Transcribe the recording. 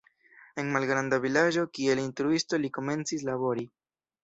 En malgranda vilaĝo kiel instruisto li komencis labori.